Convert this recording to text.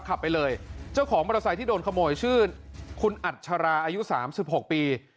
ขับไปเลยเจ้าของมอเตอร์ไซค์ที่โดนขโมยชื่อคุณอัชราอายุสามสิบหกปี